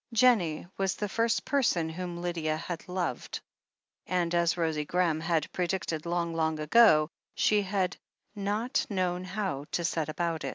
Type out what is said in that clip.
Jennie was the first person whom Lydia had loved, and as Rosie Graham had predicted long, long ago, she had "not known how to set about it."